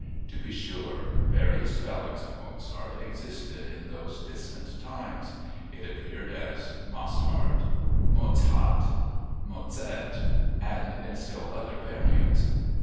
To be sure, various spellings of Mozart existed in those distant times. It appeared as "Mosshard," "Motzhart," "Mozert," and in still other variants.